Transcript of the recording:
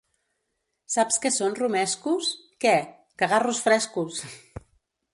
Saps què són romescos? —Què? —Cagarros frescos!